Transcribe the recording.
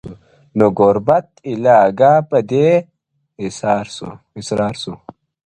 نو ګوربت ایله آګاه په دې اسرار سو -